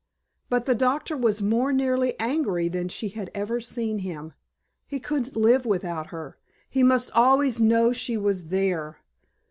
But the doctor was more nearly angry than she had ever seen him. He couldn't live without her. He must always know she was "there."